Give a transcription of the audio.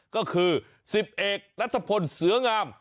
ก็คือ๑๐เอกนัทพลเสืองาม